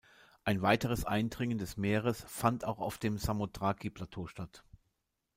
Ein weites Eindringen des Meeres fand auch auf dem Samothraki-Plateau statt.